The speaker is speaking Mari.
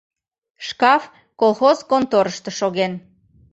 Шкаф колхоз конторышто шоген.